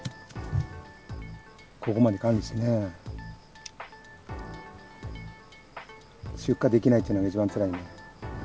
ここまで管理して出荷できないっていうのが一番つらい。